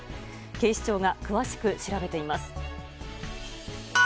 警視庁が詳しく調べています。